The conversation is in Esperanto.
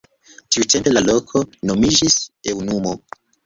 Tiutempe la loko nomiĝis Eŭnumo.